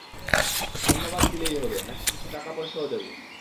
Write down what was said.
ধন্যবাদ দিলেই হবে, নাকি কিছু টাকা পয়সাও দেবো?